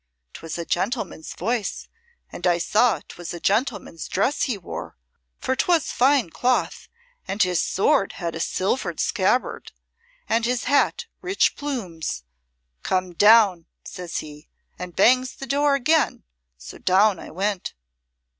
'Twas a gentleman's voice, and I saw 'twas a gentleman's dress he wore, for 'twas fine cloth, and his sword had a silvered scabbard, and his hat rich plumes. 'Come down,' says he, and bangs the door again, so down I went."